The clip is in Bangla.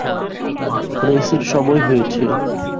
রেসের সময় হয়েছে।